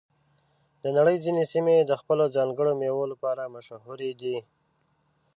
د نړۍ ځینې سیمې د خپلو ځانګړو میوو لپاره مشهور دي.